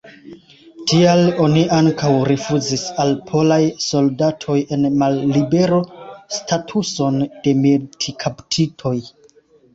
Tial oni ankaŭ rifuzis al polaj soldatoj en mallibero statuson de militkaptitoj.